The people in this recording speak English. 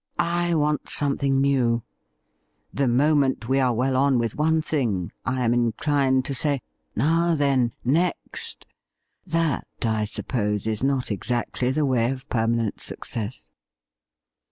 I want something new. The moment we are well on with one thing I am inclined to say, " Now then — next." That, I suppose, is not exactly the way of permanent success.'